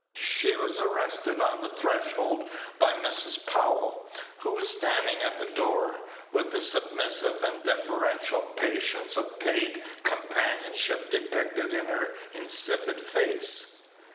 She was arrested on the threshold by Mrs. Powell, who was standing at the door, with the submissive and deferential patience of paid companionship depicted in her insipid face.